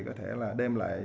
có thể là đem lại